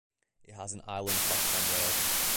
It has an island platform layout.